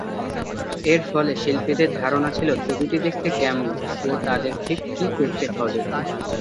এর ফলে শিল্পীদের ধারণা ছিলো ছবিটি দেখতে কেমন ও তাদের ঠিক কী করতে হবে।